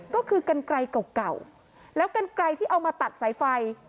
ก็คือกันไกลเก่าแล้วกันไกลที่เอามาตัดสายไฟ